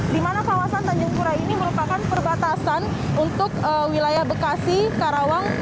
di mana kawasan tanjung pura ini merupakan perbatasan untuk wilayah bekasi karawang